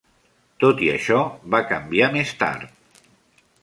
Tot i això, va canviar més tard.